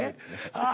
ああ。